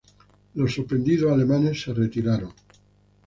Los sorprendidos alemanes se retiraron.